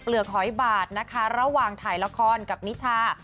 เหลือกหอยบาดนะคะระหว่างถ่ายละครกับนิชา